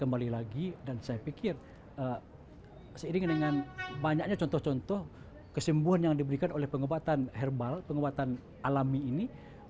kembali lagi dan saya pikir seiring dengan banyaknya contoh contoh kesembuhan yang diberikan oleh pengobatan herbal pengobatan alami ini